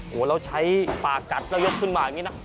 โอ้โหเราใช้ปากกัดแล้วยกขึ้นมาอย่างนี้นะ